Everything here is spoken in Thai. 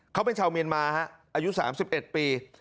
เขาเป็นชาวเมียนมาอายุ๓๑ปี